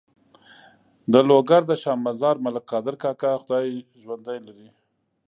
د لوګر د شا مزار ملک قادر کاکا خدای ژوندی لري.